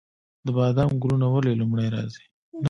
د بادام ګلونه ولې لومړی راځي؟